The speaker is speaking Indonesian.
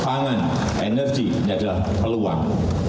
pangan energi ini adalah peluang